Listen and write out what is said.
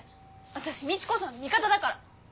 私みち子さんの味方だから。